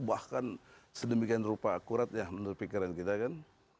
bahkan sedemikian rupa akurat ya menurut pikiran kita kan